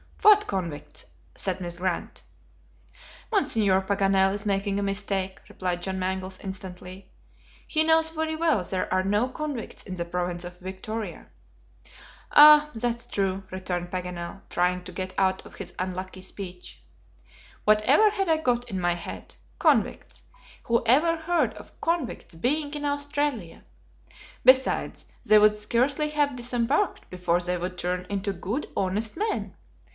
"What convicts?" said Miss Grant. "Monsieur Paganel is making a mistake," replied John Mangles, instantly. "He knows very well there are no convicts in the province of Victoria." "Ah, that is true," returned Paganel, trying to get out of his unlucky speech. "Whatever had I got in my head? Convicts! who ever heard of convicts being in Australia? Besides, they would scarcely have disembarked before they would turn into good, honest men.